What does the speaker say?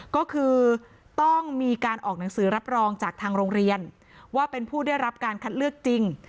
ก็คือต้องมีการออกหนังสือรับรองจากทางโรงเรียนว่าเป็นผู้ได้รับการคัดเลือกจริง